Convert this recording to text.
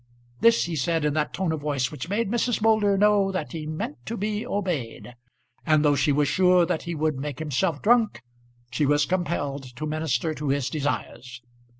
This he said in that tone of voice which made Mrs. Moulder know that he meant to be obeyed; and though she was sure that he would make himself drunk, she was compelled to minister to his desires.